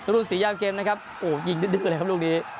รุ่นสียาวเกมนะครับโอ้โหยิงดื้อเลยครับลูกนี้